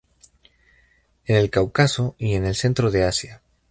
En el Cáucaso y el centro de Asia.